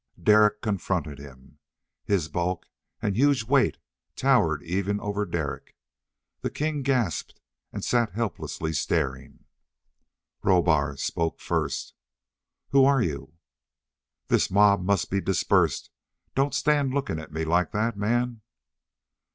Derek confronted him. His bulk, and huge weight towered even over Derek. The king gasped and sat helplessly staring. Rohbar spoke first. "Who are you?" "This mob must be dispersed. Don't stand looking at me like that, man!"